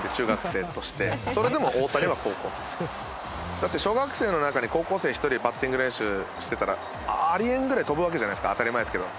だって小学生の中に高校生１人バッティング練習してたらあり得んぐらい飛ぶわけじゃないですか当たり前ですけど。